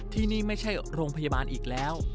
ที่นี่ไม่ใช่โรงพยาบาลอีกแล้ว